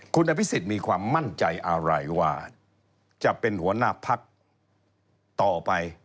คุณนพิสิทธิ์มีความมั่นใจอะไรว่าจะเป็นหัวหน้าภักรณ์ต่อไป